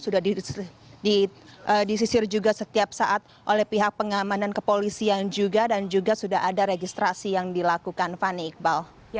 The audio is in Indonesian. sudah disisir juga setiap saat oleh pihak pengamanan kepolisian juga dan juga sudah ada registrasi yang dilakukan fani iqbal